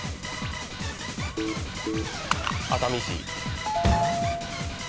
熱海市。